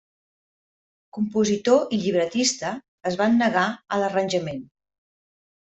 Compositor i llibretista es van negar a l'arranjament.